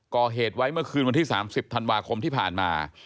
ก่อเหตุไว้เมื่อคืนวันที่๓๐ธันวาคมที่ผ่านมา